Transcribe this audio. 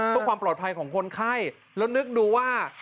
เพื่อความปลอดภัยของคนไข้แล้วนึกดูว่า